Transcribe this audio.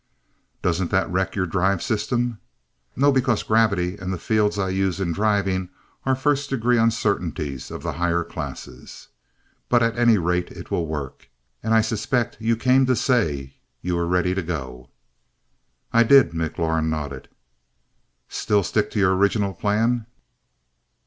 "Doesn't that wreck your drive system?" "No, because gravity and the fields I use in driving are First Degree Uncertainties of the higher classes. "But at any rate, it will work. And I suspect you came to say you were ready to go." "I did." McLaurin nodded. "Still stick to your original plan?"